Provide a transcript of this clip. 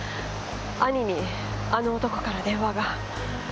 兄にあの男から電話が。